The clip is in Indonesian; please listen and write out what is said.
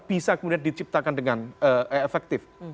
bisa kemudian diciptakan dengan efektif